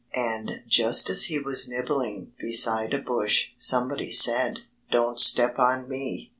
And just as he was nibbling beside a bush somebody said, "Don't step on me!"